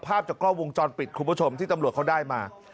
ภาพจากกล้องวงจรปิดคุณผู้ชมที่ตำรวจเขาได้มา